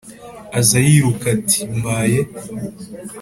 aza yiruka ati mbaye